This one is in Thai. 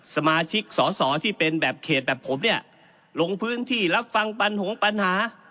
สมาชิกสอสอที่เป็นแบบเขตแบบผมเนี่ยลงพื้นที่รับฟังปัญหา